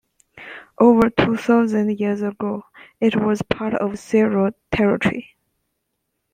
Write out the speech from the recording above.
Over two thousand years ago, it was part of Serer territory.